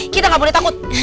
kita nggak boleh takut